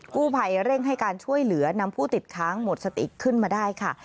กู้ภัยเร่งให้การช่วยเหลือนำผู้ติดค้างหมดสติขึ้นมาได้ค่ะ